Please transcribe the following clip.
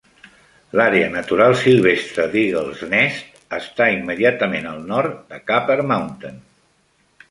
L'àrea natural silvestre d'Eagles Nest està immediatament al nord de Copper Mountain.